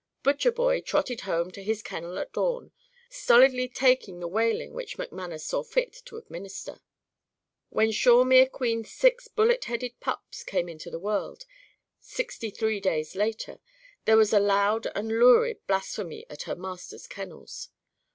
Butcherboy trotted home to his kennel at dawn, stolidly taking the whaling which McManus saw fit to administer. When Shawemere Queen's six bullet headed pups came into the world, sixty three days later, there was loud and lurid blasphemy, at her master's kennels.